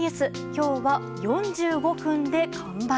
今日は４５分で完売。